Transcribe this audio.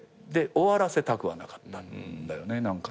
終わらせたくはなかったんだよね。